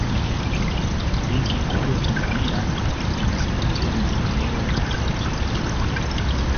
benki kuu ya tanzania inazingatia maendeleo ya teknolojia